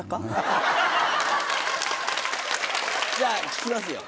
じゃあ聞きますよ。